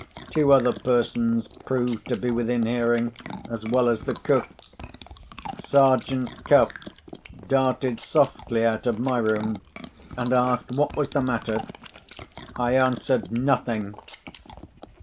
Two other persons proved to be within hearing, as well as the cook. Sergeant Cuff darted softly out of my room, and asked what was the matter. I answered, "Nothing."